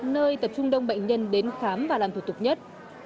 nơi tập trung đông bệnh nhân đến khám và làm thủ tục nhất